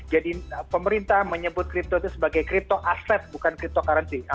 jadi pemerintah menyebut kripto itu sebagai crypto aset bukan cryptocurrency